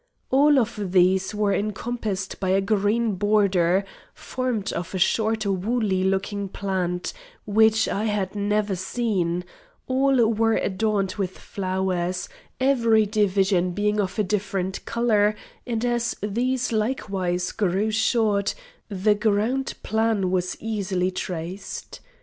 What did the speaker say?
All of these were encompassed by a green border, formed of a short woolly looking plant, which I had never seen; all were adorned with flowers, every division being of a different colour, and as these likewise grew short, the ground plan was easily traced.